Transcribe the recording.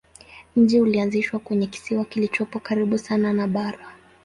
Mji ulianzishwa kwenye kisiwa kilichopo karibu sana na bara.